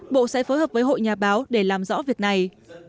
bộ sẽ phối hợp với hội nhà báo để làm rõ việc này